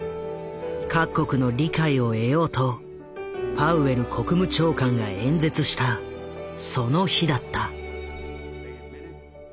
各国の理解を得ようとパウエル国務長官が演説したその日だった。